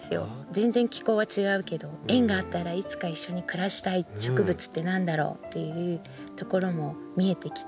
全然気候は違うけど縁があったらいつか一緒に暮らしたい植物って何だろうっていうところも見えてきて